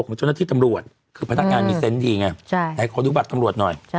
ของเจ้าหน้าที่ตำรวจคือพนักงานมีเซนต์ดีไงไหนขอดูบัตรตำรวจหน่อย